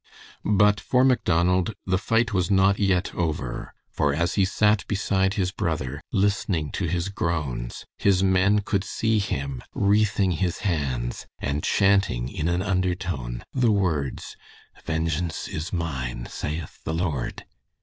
But for Macdonald the fight was not yet over, for as he sat beside his brother, listening to his groans, his men could see him wreathing his hands and chanting in an undertone the words, "Vengeance is mine saith the Lord."